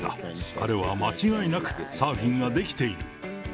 彼は間違いなく、サーフィンができている。